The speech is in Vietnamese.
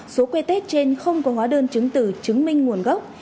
số que test trên không có hóa đơn chứng từ chứng minh nguồn gốc